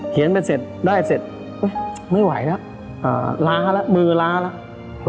เขียนไปเสร็จได้เสร็จไม่ไหวแล้วล้าแล้วมือล้าแล้ว